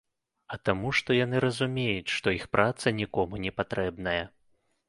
А таму, што яны разумеюць, што іх праца нікому не патрэбная.